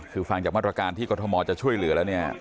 คือฟังจากมาตรการที่กรทมจะช่วยเหลือแล้วเนี่ย